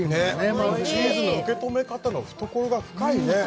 まずチーズの受け止め方の懐が深いね